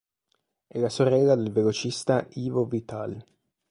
È la sorella del velocista Ivo Vital.